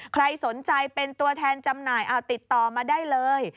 ใครสนใจเป็นตัวแทนจำหน่ายเอาติดต่อมาได้เลย